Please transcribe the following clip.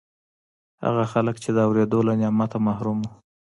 هغه خلک چې د اورېدو له نعمته محروم وو